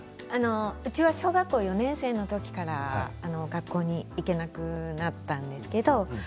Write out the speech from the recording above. うちは小学校４年生の時から学校に行けなくなったんですけど